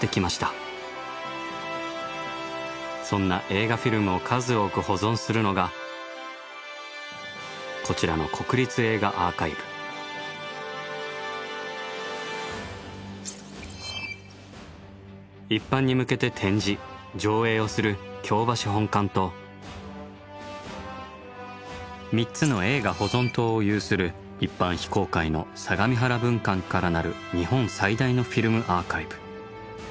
そんな映画フィルムを数多く保存するのがこちらの一般に向けて展示・上映をする京橋本館と３つの映画保存棟を有する一般非公開の相模原分館からなる日本最大のフィルムアーカイブ。